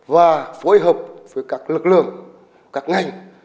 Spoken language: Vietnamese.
và phối hợp với các lực lượng các ngành